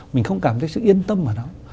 mình không cảm thấy sự yên tâm ở đó